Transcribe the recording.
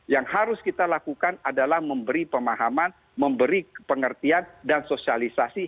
yang harus kita lakukan adalah memberi pemahaman memberi pengertian dan sosialisasi